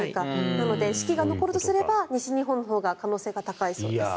なので、四季が残るとすれば西日本のほうが可能性が高いそうです。